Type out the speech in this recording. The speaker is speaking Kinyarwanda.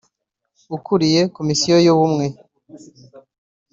ukuriye Komisiyo y’Ubumwe